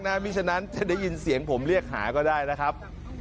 เพราะฉะนั้นจะได้ยินเสียงผมเรียกหาก็ได้นะครับ